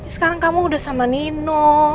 sekarang kamu udah sama nino